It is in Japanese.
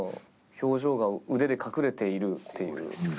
表情が腕で隠れているっていう。